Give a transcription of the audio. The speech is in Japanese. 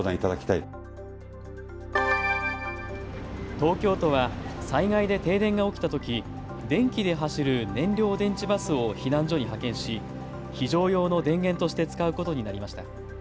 東京都は災害で停電が起きたとき電気で走る燃料電池バスを避難所に派遣し非常用の電源として使うことになりました。